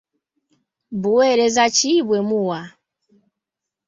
Buweereza ki bwe muwa?